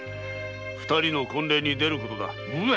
二人の婚礼に出ることだ。